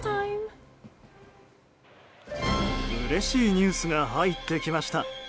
うれしいニュースが入ってきました。